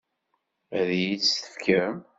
Ad iyi-tt-tefkem?